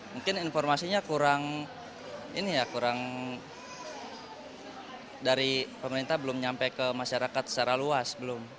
mungkin informasinya kurang ini ya kurang dari pemerintah belum nyampe ke masyarakat secara luas belum